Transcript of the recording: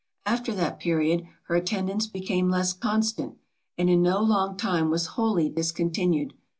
After that period her attendance became less constant, and in no long time was wholly discontinued.